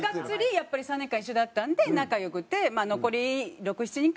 やっぱり３年間一緒だったんで仲良くてまあ残り６７人か。